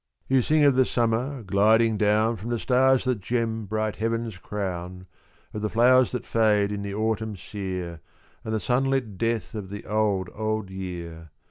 You sing of the summer gliding down From the stars that gem bright heaven's crown; Of the flowers that fade in the autumn sere, And the sunlit death of the old, old year.